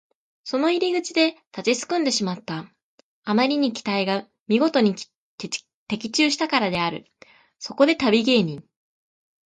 その入り口で立ちすくんでしまった。あまりに期待がみごとに的中したからである。そこで旅芸人